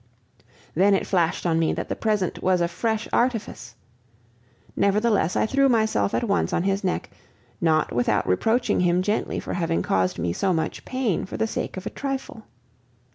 Then it flashed on me that the present was a fresh artifice. Nevertheless I threw myself at once on his neck, not without reproaching him gently for having caused me so much pain for the sake of a trifle.